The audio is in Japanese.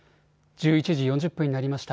１１時４０分になりました。